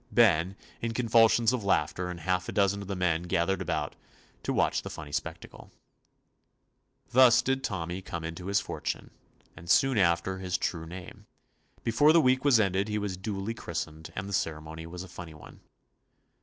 Ben, in convulsions of laughter, and half a dozen of the men gathered about to watch the funny spectacle. Thus did Tommy come into his for tune, and, soon after, his true name. Before the week was ended he was duly christened, and the ceremony was a funny one.